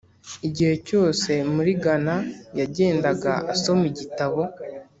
igihe cyose muri Gana yagendaga asoma igitabo.